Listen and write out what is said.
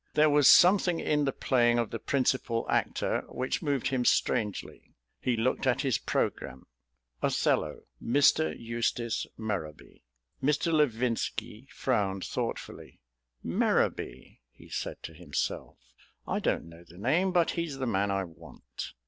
There was something in the playing of the principal actor which moved him strangely. He looked at his programme. "Othello MR. EUSTACE MERROWBY." Mr. Levinski frowned thoughtfully. "Merrowby," he said to himself. "I don't know the name, but he's the man I want."